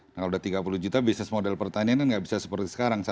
nah kalau sudah tiga puluh juta bisnis model pertanian kan nggak bisa seperti sekarang